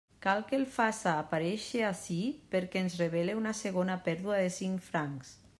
Cal que el faça aparèixer ací perquè ens revele una segona pèrdua de cinc francs.